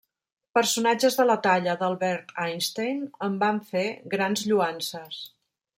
Personatges de la talla d'Albert Einstein en van fer grans lloances.